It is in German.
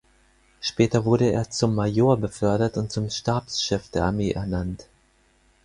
Später wurde er zum Major befördert und zum Stabschef der Armee ernannt.